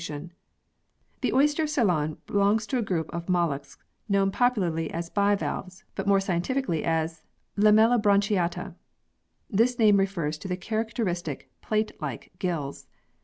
in The oyster of Ceylon belongs to a group of molluscs known popularly as bivalves, but more scientifically as Lamellibranchiata. This name re fers to the characteristic plate like gills.